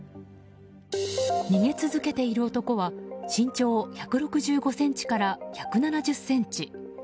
逃げ続けている男は身長１６５ｃｍから１７０ｃｍ。